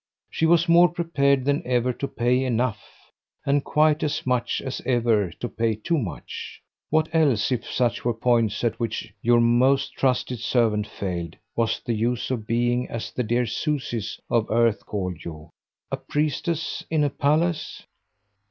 She was more prepared than ever to pay enough, and quite as much as ever to pay too much. What else if such were points at which your most trusted servant failed was the use of being, as the dear Susies of earth called you, a princess in a palace?